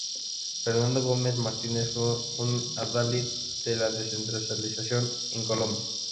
Fernando Gómez Martínez fue un adalid de la descentralización en Colombia.